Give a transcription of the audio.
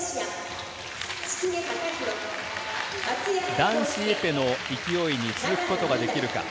男子エペの勢いに続くことができるか？